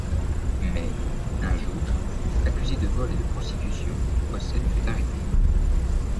Mais, un jour, accusée de vol et de prostitution, Osen fut arrêtée.